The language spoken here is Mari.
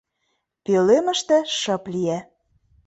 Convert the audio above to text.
Пӧлемыште шып лие.